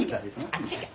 あっち行け！